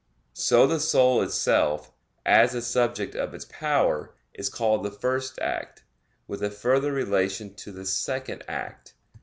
So the soul itself, as the subject of its power, is called the first act, with a further relation to the second act.